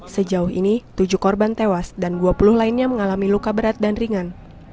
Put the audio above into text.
sejauh ini tujuh korban tewas dan dua puluh lainnya mengalami luka berat dan ringan